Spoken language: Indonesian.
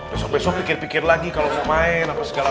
besok besok pikir pikir lagi kalau mau main apa segala